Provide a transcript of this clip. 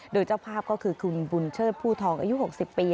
โดยเจ้าภาพก็คือคุณบุญเชิดผู้ทองอายุ๖๐ปี